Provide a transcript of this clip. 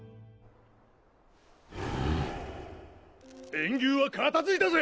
炎牛は片付いたぜ！